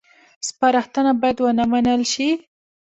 سپارښتنه باید ونه منل شي